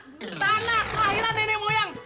tanah kelahiran nenek moyang